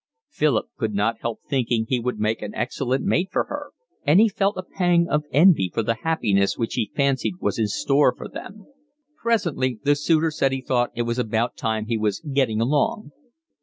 Philip could not help thinking he would make an excellent mate for her, and he felt a pang of envy for the happiness which he fancied was in store for them. Presently the suitor said he thought it was about time he was getting along.